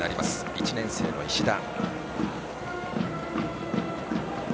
１年生の石田。